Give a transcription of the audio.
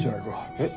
えっ？